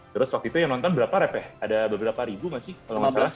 terus waktu itu yang nonton berapa rep ya ada berapa ribu masih kalau nggak salah